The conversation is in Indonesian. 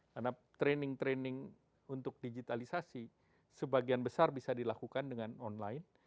karena training training untuk digitalisasi sebagian besar bisa dilakukan dengan online